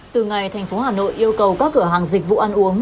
từ ngày thành phố hà nội yêu cầu các cửa hàng dịch vụ ăn uống